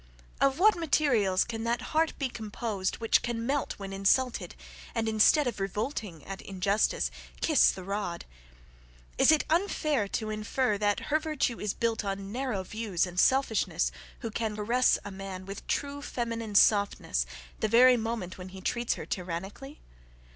Of what materials can that heart be composed, which can melt when insulted, and instead of revolting at injustice, kiss the rod? Is it unfair to infer, that her virtue is built on narrow views and selfishness, who can caress a man, with true feminine softness, the very moment when he treats her tyrannically?